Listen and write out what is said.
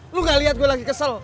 lu gak lihat gue lagi kesel